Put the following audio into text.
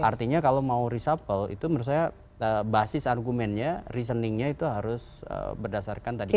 artinya kalau mau reshuffle itu menurut saya basis argumennya reasoningnya itu harus berdasarkan tadi